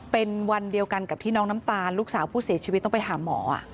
เป็นวันเดียวกันกับที่น้องน้ำตาลลูกสาวผู้เสียชีวิตต้องไปหาหมอ